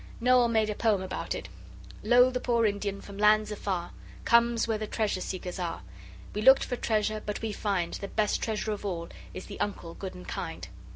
Noel made a poem about it Lo! the poor Indian from lands afar, Comes where the treasure seekers are; We looked for treasure, but we find The best treasure of all is the Uncle good and kind.